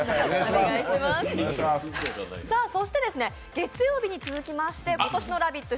月曜日に続きまして今年の「ラヴィット！」